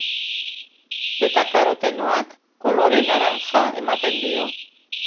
Betakarotenoak kolore naranja ematen dio.